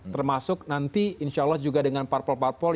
termasuk nanti insya allah juga dengan parpol parpol